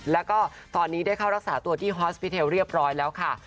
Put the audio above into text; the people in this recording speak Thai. แล้วก็ตอนนี้ได้เข้ารักษาตัวที่ฮอสปิเทลเรียบร้อยแล้วค่ะ